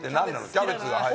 キャベツが早い。